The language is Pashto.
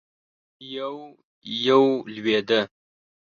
يو- يو لوېده.